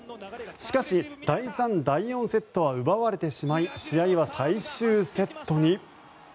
しかし、第３、第４セットは奪われてしまい試合は最終セットに。